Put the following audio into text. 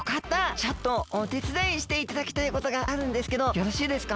ちょっとおてつだいしていただきたいことがあるんですけどよろしいですか？